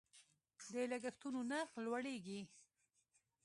د لګښتونو نرخ لوړیږي.